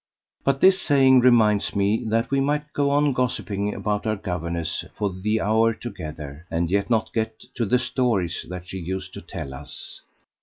But this saying reminds me that we might go on gossiping about our governess for the hour together, and yet not get to the stories that she used to tell us.